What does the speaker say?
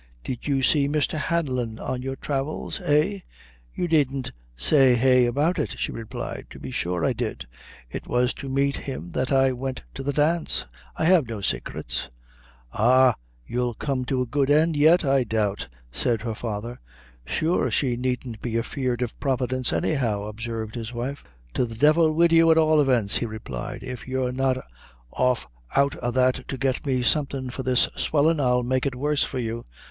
"Did you see Mr. Hanlon on your travels, eh?" "You needn't say eh about it," she replied, "to be sure I did; it was to meet him that I went to the dance; I have no saicrets." "Ah, you'll come to a good end yet, I doubt," said her father. "Sure she needn't be afeard of Providence, any how," observed his wife. "To the divil wid you, at all events," he replied; "if you're not off out o' that to get me somethin' for this swellin' I'll make it worse for you."